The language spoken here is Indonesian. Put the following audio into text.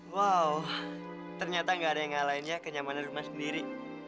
wow ternyata gak ada yang ngalain ya kenyamanan rumah sendiri